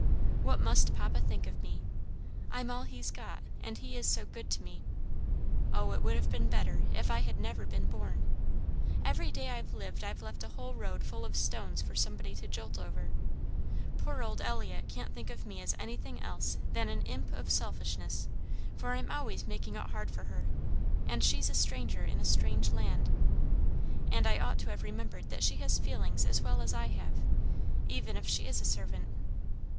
What must papa think of me? I'm all he's got, and he is so good to me! Oh, it would have been better if I had never been born! Every day I've lived I've left a whole road full of stones for somebody to jolt over. Poor old Eliot can't think of me as anything else than an imp of selfishness, for I'm always making it hard for her, and she's a stranger in a strange land,' and I ought to have remembered that she has feelings as well as I have, even if she is a servant.